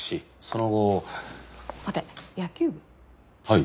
はい。